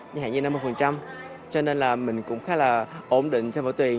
như năm mươi cho nên là mình cũng khá là ổn định trong bộ tuyển